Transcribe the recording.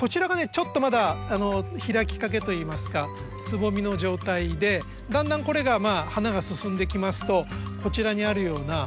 ちょっとまだ開きかけといいますかつぼみの状態でだんだんこれが花が進んできますとこちらにあるような